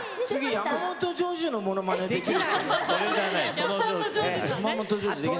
山本譲二のものまねもできる？